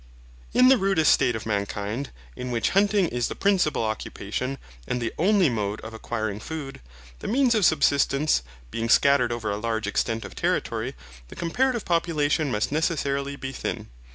In the rudest state of mankind, in which hunting is the principal occupation, and the only mode of acquiring food; the means of subsistence being scattered over a large extent of territory, the comparative population must necessarily be thin.